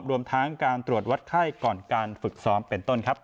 รวมทั้งการตรวจวัดไข้ก่อนการฝึกซ้อมเป็นต้นครับ